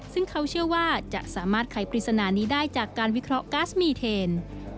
ซึ่งเขาเชื่อว่าจะสามารถไขปริศนานี้ได้จากการวิเคราะห์ก๊าซมีเทน